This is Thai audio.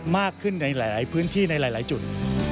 มากขึ้นในหลายพื้นที่ในหลายจุด